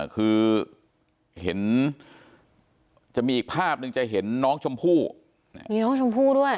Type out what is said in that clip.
คือเห็นจะมีอีกภาพหนึ่งจะเห็นน้องชมพู่มีน้องชมพู่ด้วย